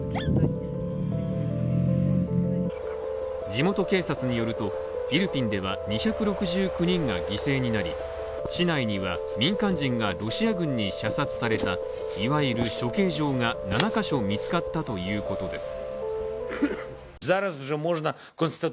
地元警察によると、フィリピンでは２６９人が犠牲になり、市内には民間人がロシア軍に射殺されたいわゆる処刑場が７ヶ所見つかったということです。